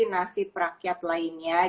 nasib rakyat lainnya